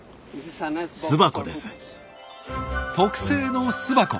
特製の巣箱。